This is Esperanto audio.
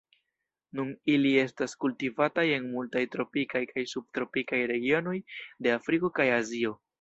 Nun ili estas kultivataj en multaj tropikaj kaj subtropikaj regionoj de Afriko kaj Azio.